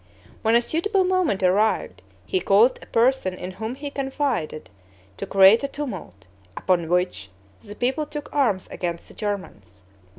When a suitable moment arrived, he caused a person in whom he confided to create a tumult, upon which the people took arms against the Germans.